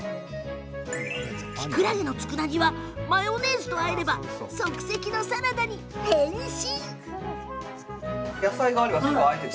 キクラゲのつくだ煮はマヨネーズとあえれば即席のサラダに変身。